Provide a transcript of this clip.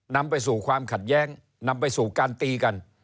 นำไปสู่ความขัดแย้งนำไปสู่การตีกัน